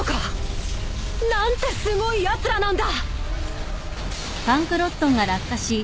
なんてすごいやつらなんだ！